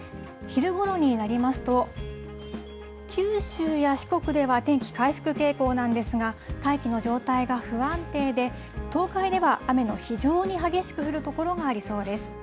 昼ごろになりますと、九州や四国では天気回復傾向なんですが、大気の状態が不安定で、東海では雨の非常に激しく降る所がありそうです。